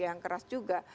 yang keras juga